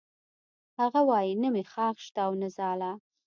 هغه وایی نه مې خاښ شته او نه ځاله